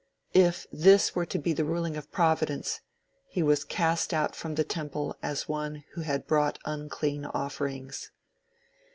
If this were to be the ruling of Providence, he was cast out from the temple as one who had brought unclean offerings.